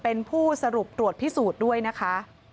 เป็นผู้สรุปตรวจพิสูจน์ด้วยนะคะ